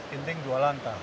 ginting dua langkah